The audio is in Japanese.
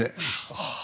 はあ。